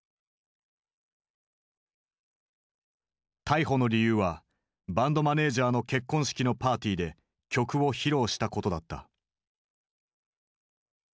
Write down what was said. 逮捕の理由はバンドマネージャーの結婚式のパーティーで曲を披露したことだった。